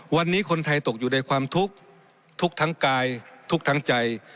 วันนี้คนไทยตกอยู่ในความทุกข์ทุกข์ทั้งกายทุกข์ทั้งใจ